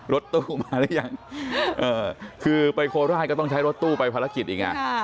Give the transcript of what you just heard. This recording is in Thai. รถตู้มาหรือยังคือไปโคราชก็ต้องใช้รถตู้ไปภารกิจอีก